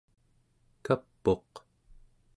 kap'uq